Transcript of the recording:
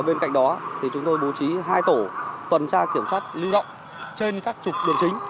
bên cạnh đó chúng tôi bố trí hai tổ tuần tra kiểm soát lưu động trên các trục đường chính